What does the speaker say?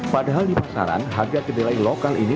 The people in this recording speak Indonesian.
padahal di pasaran harga kedelai lokal ini